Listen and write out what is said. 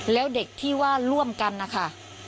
แล้วเด็กที่ว่าร่วมกันนะคะ